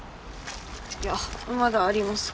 いやまだあります。